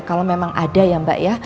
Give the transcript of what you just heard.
kalau memang ada ya mbak ya